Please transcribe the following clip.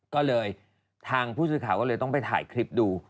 ก็เลยทางผู้สื่อข่าวก็เลยต้องไปถ่ายคลิปดู